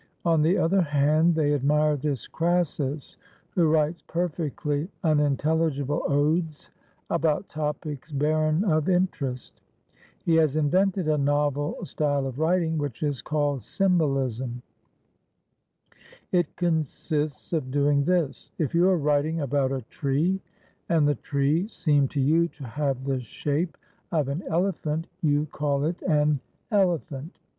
; on the other hand they admire this Crassus, who writes perfectly unintelligible odes about topics barren of interest. He has invented a novel style of writing, which is called symbolism. It consists of doing this: If you are writing about a tree and the tree seem to you to have the shape of an ele phant, you call it an elephant.